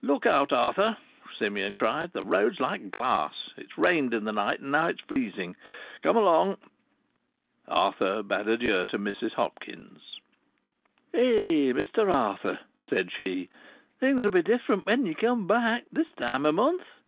"Look out, Arthur," Simeon cried. "The road's like glass. It's rained in the night, and now it's freezing. Come along." Arthur bade adieu to Mrs Hopkins. "Eh, Mr Arthur," said she. "Things'll be different when ye come back, this time a month."